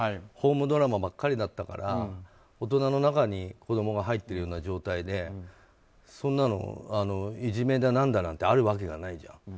ホームドラマばっかりだったから大人の中に子供が入ってるような状態でそんなのいじめだなんだなんてあるわけがないじゃん。